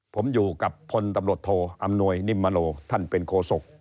ผมอยู่กับพลตำรวจโทอำนวยนิมมโนท่านเป็นโคศก